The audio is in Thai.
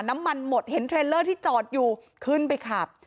น้ำมันหมดเห็นเทรลเลอร์ที่จอดอยู่ขึ้นไปขับ